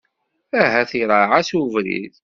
Ahat iraɛ-as ubrid.